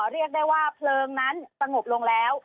เรียกได้ว่าเพลิงนั้นสงบลงแล้ว